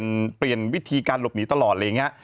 มันเปลี่ยนวิธีการหลบหนีตลอดอะไรอย่างนี้